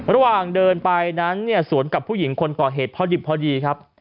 ระหว่างเดินไปนั้นเนี่ยสวนกับผู้หญิงคนก่อเหตุพอดิบพอดีครับ